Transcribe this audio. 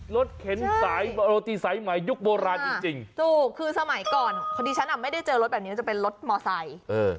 รถเข็นรอตีใส่หมายยุคโบราณจริงถูกคือสมัยก่อนที่ฉันไม่ได้เจอรถแบบนี้จะเป็นรถมอไซค์